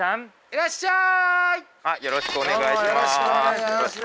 よろしくお願いします。